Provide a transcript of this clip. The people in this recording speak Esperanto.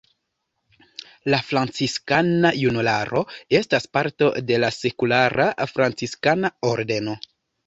La Franciskana Junularo estas parto de la Sekulara franciskana ordeno.